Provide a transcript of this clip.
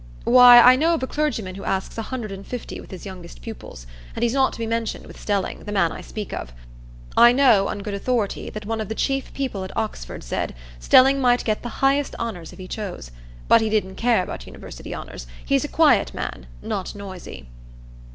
"Why, I know of a clergyman who asks a hundred and fifty with his youngest pupils, and he's not to be mentioned with Stelling, the man I speak of. I know, on good authority, that one of the chief people at Oxford said, Stelling might get the highest honours if he chose. But he didn't care about university honours; he's a quiet man—not noisy."